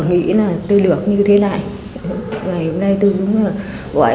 hòa am gia tình đội hai mươi hai